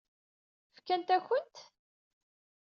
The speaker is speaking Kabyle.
Fkan-akent-t?